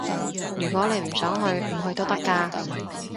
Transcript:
如果你唔想去，唔去都得㗎